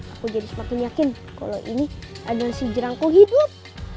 aku jadi semakin yakin kalau ini adonan si jelangku hidup